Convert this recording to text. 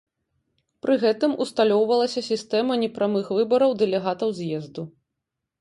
Пры гэтым усталёўвалася сістэма непрамых выбараў дэлегатаў з'езду.